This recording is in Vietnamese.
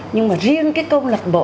nhưng mà riêng công lạc bộ